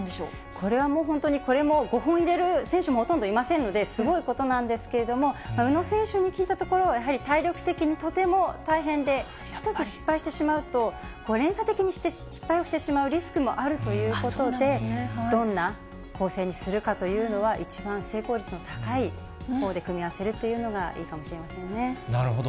これはもう本当に、これも５本入れる選手もほとんどいませんので、すごいことなんですけれども、宇野選手に聞いたところ、やはり体力的にとても大変で、１つ失敗してしまうと、連鎖的に失敗をしてしまうリスクもあるということで、どんな構成にするかというのは、一番成功率の高いほうで組み合わせるというのがいいかもしれませなるほど。